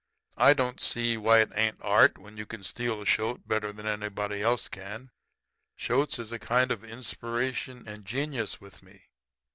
I don't see why it ain't art when you can steal a shoat better than anybody else can. Shoats is a kind of inspiration and genius with me.